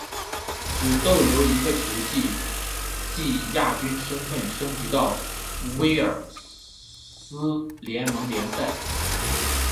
只逗留一个球季即以亚军身份升级到威尔斯联盟联赛。